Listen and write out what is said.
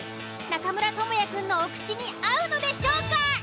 中村倫也くんのお口に合うのでしょうか？